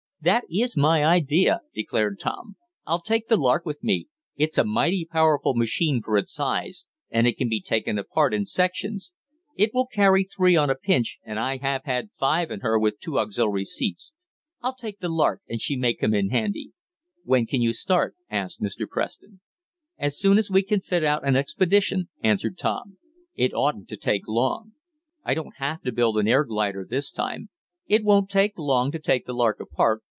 "That is my idea," declared Tom. "I'll take the Lark with me. That's a mighty powerful machine for its size, and it can be taken apart in sections. It will carry three on a pinch, and I have had five in her with two auxiliary seats. I'll take the Lark, and she may come in handy." "When can you start?" asked Mr. Preston. "As soon as we can fit out an expedition," answered Tom. "It oughtn't to take long. I don't have to build an air glider this time. It won't take long to take the Lark apart.